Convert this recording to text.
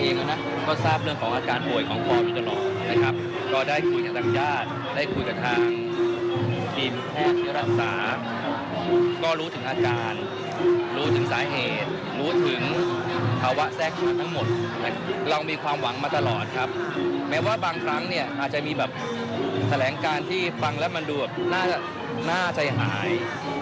แม้ว่าบางครั้งอาจจะมีแบบแสดงการที่ฟังแล้วมันดูน่าใจหาย